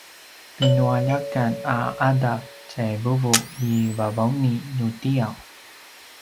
pinualjakan a ’adav tjai vuvu i Vavauni nutiaw